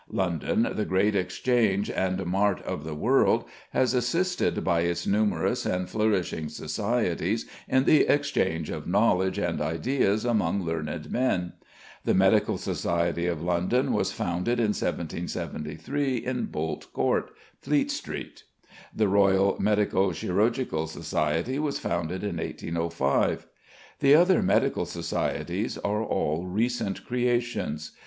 London, the great exchange and mart of the world, has assisted by its numerous and flourishing societies in the exchange of knowledge and ideas among learned men. The Medical Society of London was founded in 1773 in Bolt Court, Fleet Street. The Royal Medico Chirurgical Society was founded in 1805. The other medical societies are all recent creations.